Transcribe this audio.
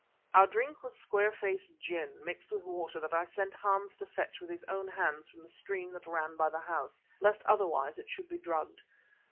Our drink was square face gin, mixed with water that I sent Hans to fetch with his own hands from the stream that ran by the house, lest otherwise it should be drugged.